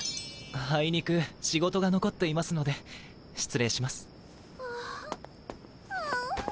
あいにく仕事が残っていますので失礼します。